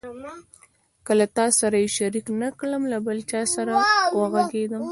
که له تا سره یې شریک نه کړم له بل چا سره به وغږېږم.